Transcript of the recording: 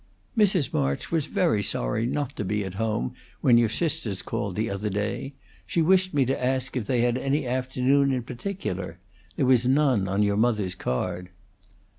"Mrs. March was very sorry not to be at home when your sisters called the other day. She wished me to ask if they had any afternoon in particular. There was none on your mother's card."